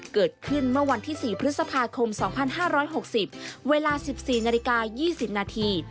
เกิดขึ้นเมื่อวันที่๔พฤษภาคม๒๕๖๐เวลา๑๔นาฬิกา๒๐นาที